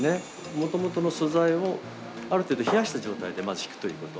もともとの素材をある程度冷やした状態でまずひくということ。